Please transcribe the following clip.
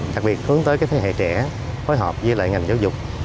đặc biệt hướng tới các thế hệ trẻ phối hợp với lại ngành giáo dục